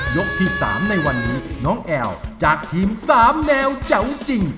ที่๓ในวันนี้น้องแอลจากทีม๓แนวแจ๋วจริง